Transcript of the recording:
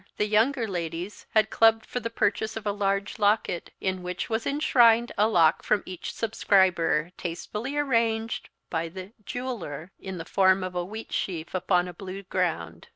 The younger ladies had clubbed for the purchase of a large locket, in which was enshrined a lock from each subscriber, tastefully arranged by the jeweller, in the form of a wheat sheaf upon a blue ground.